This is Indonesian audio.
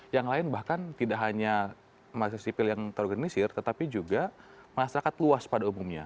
yang lain bahkan tidak hanya masyarakat sipil yang terorganisir tetapi juga masyarakat luas pada umumnya